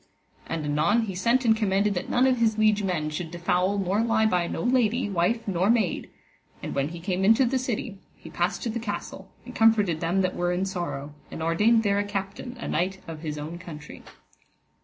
And anon he sent and commanded that none of his liege men should defoul nor lie by no lady, wife nor maid; and when he came into the city, he passed to the castle, and comforted them that were in sorrow, and ordained there a captain, a knight of his own country.